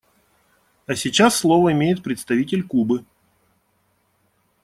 А сейчас слово имеет представитель Кубы.